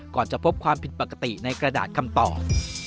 จะพบความผิดปกติในกระดาษคำตอบ